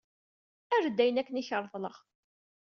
Err-d ayen akken i k-ṛeḍleɣ.